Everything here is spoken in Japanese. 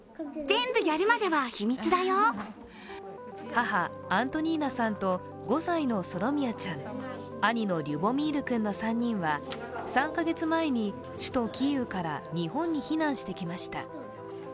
母・アントニーナさんと５歳のソロミアちゃん、兄のリュボミール君の３人は３か月前に首都キーウから日本に避難してきました。